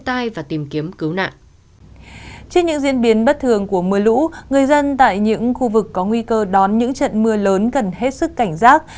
trước những diễn biến bất thường của mưa lũ người dân tại những khu vực có nguy cơ đón những trận mưa lớn cần hết sức cảnh giác